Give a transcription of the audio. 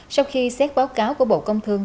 sau khi xét báo cáo của bộ công thương